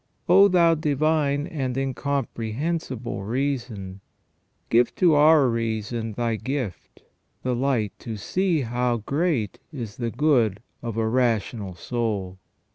Oh ! Thou Divine and Incomprehensible Reason : give to our reason. Thy gift, the light to see how great is the good of a rational soul.